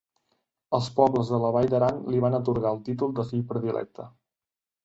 Els pobles de la Vall d'Aran li van atorgar el títol de fill predilecte.